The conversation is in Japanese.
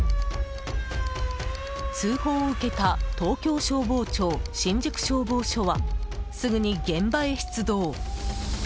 通報を受けた東京消防庁新宿消防署はすぐに現場へ出動。